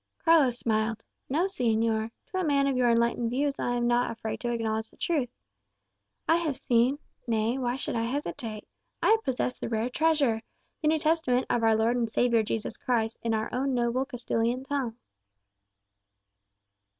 Carlos smiled. "No, señor. To a man of your enlightened views I am not afraid to acknowledge the truth. I have seen nay, why should I hesitate? I possess a rare treasure the New Testament of our Lord and Saviour Jesus Christ in our own noble Castilian tongue."